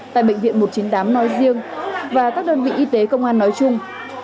tại bệnh viện một trăm chín mươi tám nói riêng và các đơn vị y tế công an nói chung